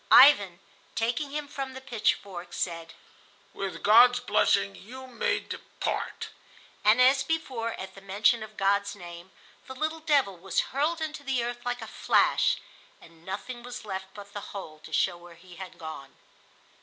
Ivan, taking him from the pitchfork, said: "With God's blessing you may depart"; and, as before at the mention of God's name, the little devil was hurled into the earth like a flash, and nothing was left but the hole to show where he had gone.